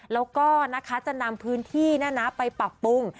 แล้วก็จะนำพื้นที่ไปปรับปรุง